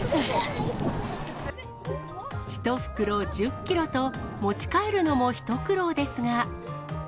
１袋１０キロと、持ち帰るのも一苦労ですが。